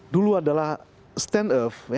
dulu adalah stand off